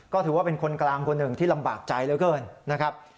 ก็ถือว่าเป็นคนกลางคนหนึ่งที่ลำบากใจเหลือเกินนะครับ